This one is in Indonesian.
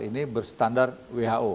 ini berstandar who